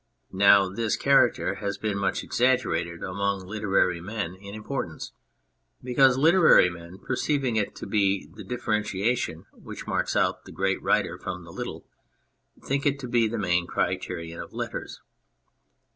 Now this character has been much exaggerated among literary men in importance, be cause literary men, perceiving it to be the differenti ation which marks out the great writer from the little, think it to be the main criterion of letters.